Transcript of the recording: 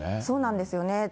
そうなんですよね。